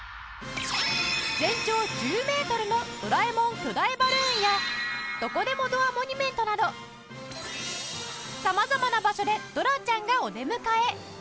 全長１０メートルのドラえもん巨大バルーンやどこでもドアモニュメントなどさまざまな場所でドラちゃんがお出迎え